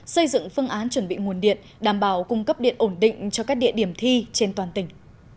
xây dựng phương án chuẩn bị nguồn điện đảm bảo cung cấp điện ổn định cho các địa điểm thi trên toàn tỉnh